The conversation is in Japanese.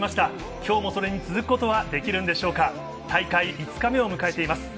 今日もそれに続くことはできるんでしょうか、大会５日目を迎えています。